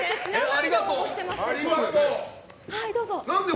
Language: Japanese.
ありがとう！